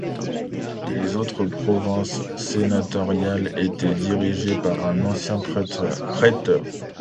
Les autres provinces sénatoriales étaient dirigées par un ancien préteur.